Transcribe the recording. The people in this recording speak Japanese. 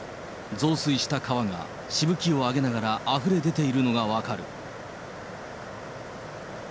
増水した川がしぶきを上げながらあふれ出ているのが分かる。